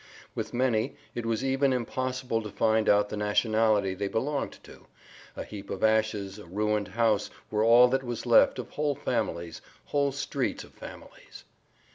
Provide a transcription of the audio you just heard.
With many it was even impossible to find out the nationality they belonged to; a little heap of ashes, a ruined house were all that was left of whole families, whole streets of families.